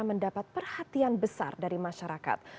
mendapat perhatian besar dari masyarakat